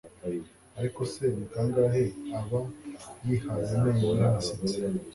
ariko se, ni kangahe aba yihaye amenyo y'abasetsi